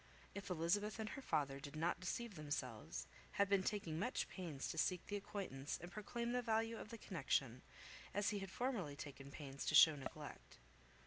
If Elizabeth and her father did not deceive themselves, had been taking much pains to seek the acquaintance, and proclaim the value of the connection, as he had formerly taken pains to shew neglect.